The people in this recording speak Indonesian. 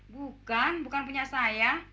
bukan bukan punya saya